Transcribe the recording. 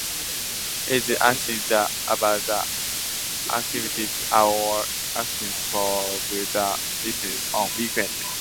It is asking about the activities or actions of the listener on weekends.